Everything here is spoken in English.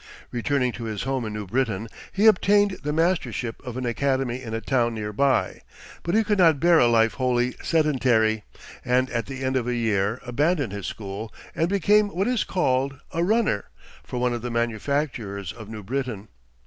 Returning to his home in New Britain, he obtained the mastership of an academy in a town near by: but he could not bear a life wholly sedentary; and, at the end of a year, abandoned his school and became what is called a "runner" for one of the manufacturers of New Britain.